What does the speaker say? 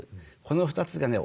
この２つがね